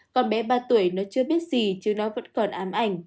còn bé ba tuổi nó chưa biết gì chứ nó vẫn còn ám ảnh